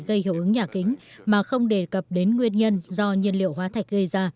gây hiệu ứng nhà kính mà không đề cập đến nguyên nhân do nhiên liệu hóa thạch gây ra